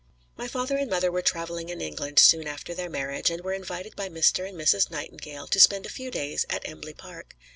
My father and mother were traveling in England soon after their marriage, and were invited by Mr. and Mrs. Nightingale to spend a few days at Embley Park.